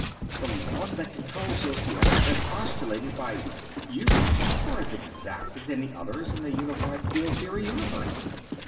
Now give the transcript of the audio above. "The laws that control Societics, as postulated by ... you, are as exact as any others in the unified field theory universe."